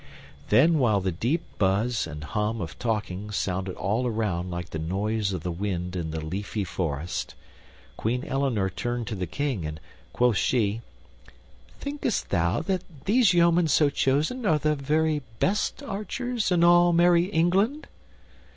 Then while the deep buzz and hum of talking sounded all around like the noise of the wind in the leafy forest, Queen Eleanor turned to the King, and quoth she, "Thinkest thou that these yeomen so chosen are the very best archers in all merry England?"